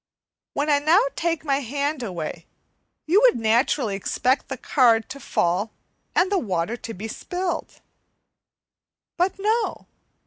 When I now take my hand away you would naturally expect the card to fall, and the water to be spilt. But no!